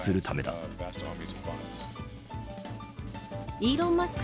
イーロン・マスク